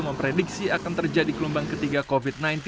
memprediksi akan terjadi gelombang ketiga covid sembilan belas